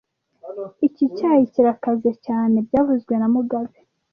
Iki cyayi kirakaze cyane byavuzwe na mugabe